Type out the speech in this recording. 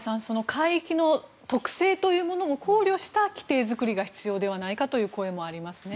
海域の特性というものも考慮した規程作りが必要ではないかという声もありますね。